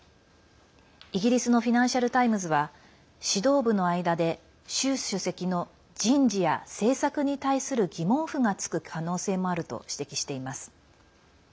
イギリスのフィナンシャル・タイムズは指導部の間で習主席の人事や政策に対する疑問符がつく可能性もあると指摘しています。